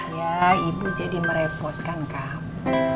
ya ibu jadi merepotkan kak